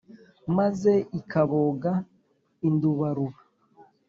maze ikaboga indubaruba